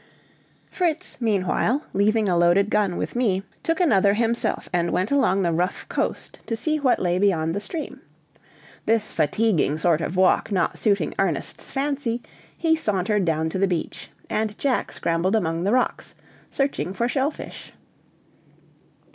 Fritz, meanwhile, leaving a loaded gun with me, took another himself, and went along the rough coast to see what lay beyond the stream; this fatiguing sort of walk not suiting Ernest's fancy, he sauntered down to the beach, and Jack scrambled among the rocks, searching for shell fish.